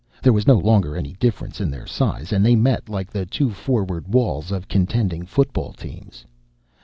There was no longer any difference in their size and they met like the two forward walls of contending football teams.